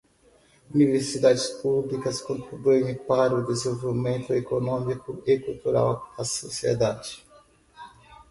Universidades públicas contribuem para o desenvolvimento econômico e cultural da sociedade.